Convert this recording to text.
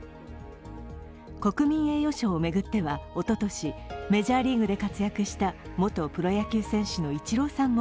国民栄誉賞を巡っては、おととしメジャーリーグで活躍した元プロ野球選手のイチローさんも